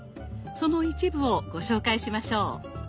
その一部をご紹介しましょう。